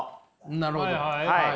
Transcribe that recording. なるほど。